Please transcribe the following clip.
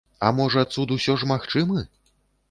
А можа, цуд усё ж магчымы?